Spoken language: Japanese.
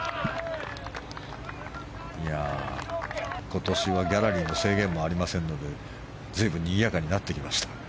今年はギャラリーの制限もありませんので随分にぎやかになってきました。